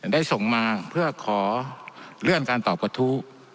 ได้ส่งมาเพื่อขอเลื่อนการตอบกระทู้